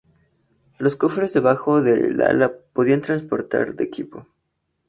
Los cofres debajo del ala podían transportar de equipo.